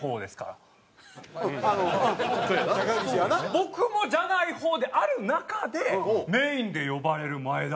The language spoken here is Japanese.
僕もじゃない方である中でメインで呼ばれる前田。